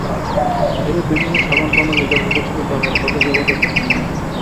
এইরূপ বিভিন্ন সাধনপ্রণালী যত প্রচলিত হয়, ততই জগতের পক্ষে মঙ্গল।